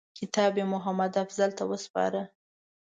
کتاب یې محمدافضل ته وسپاره.